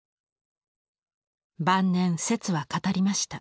晩年摂は語りました。